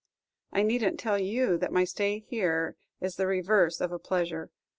I need n't tell you that my stay here is the reverse of a pleasure.